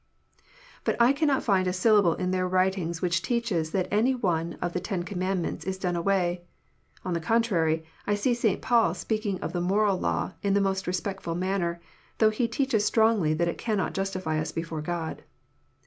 But I cannot find a syllable in their writings which teaches that any one of the Ten Commandments is done away. On the contrary, I see St. Paul speaking of the moral law in the most respectful manner, though he teaches strongly that it cannot justify us before God.